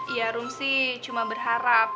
ya rum sih cuma berharap